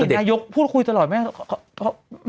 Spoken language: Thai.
ไม่ได้เห็นนายกพูดคุยตลอดไหม